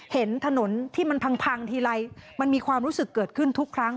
เห็นถนนที่มันพังทีไรมันมีความรู้สึกเกิดขึ้นทุกครั้ง